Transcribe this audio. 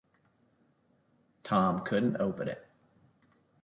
Tom couldn't open it.